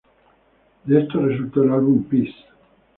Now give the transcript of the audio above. De esto resultó el álbum "Peace".